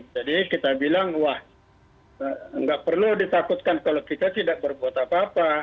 jadi kita bilang wah tidak perlu ditakutkan kalau kita tidak berbuat apa apa